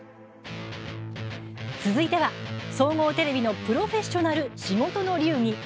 続いては、総合テレビの「プロフェッショナル仕事の流儀」。